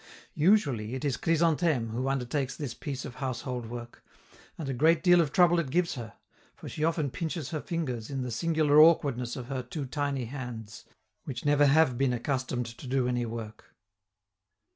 Usually, it is Chrysantheme who undertakes this piece of household work, and a great deal of trouble it gives her, for she often pinches her fingers in the singular awkwardness of her too tiny hands, which never have been accustomed to do any work.